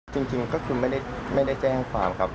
จริงก็คือไม่ได้แจ้งความครับ